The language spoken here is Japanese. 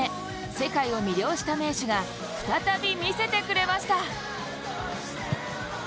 世界を魅了した名手が再び見せてくれました。